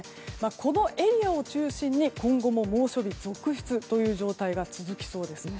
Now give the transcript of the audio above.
このエリアを中心に今後も猛暑日続出という状態が続きそうです。